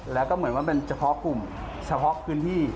แล้วก็เหมือนว่าเป็นเฉพาะกลุ่มเฉพาะพื้นที่